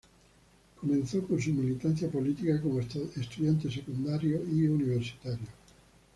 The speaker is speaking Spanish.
Comenzó con su militancia política como estudiante secundario y universitario.